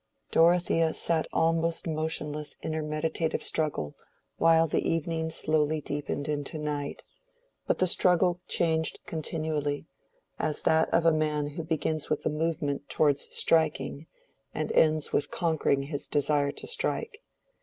Dorothea sat almost motionless in her meditative struggle, while the evening slowly deepened into night. But the struggle changed continually, as that of a man who begins with a movement towards striking and ends with conquering his desire to strike.